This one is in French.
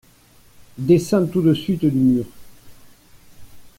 Descends tout de suite du mur.